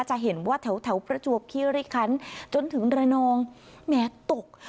จะเห็นว่าแถวประจวบคิริคันจนถึงระนองแม้ตก